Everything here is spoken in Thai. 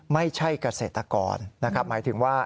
ไม่ใช่เกษตรกรนะครับหมายถึงว่า